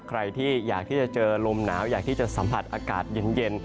ใครที่อยากที่จะเจอลมหนาวอยากที่จะสัมผัสอากาศเย็น